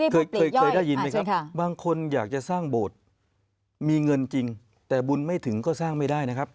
เคยเคยได้ยินไหมครับบางคนอยากจะสร้างโบสถ์มีเงินจริงแต่บุญไม่ถึงก็สร้างไม่ได้นะครับ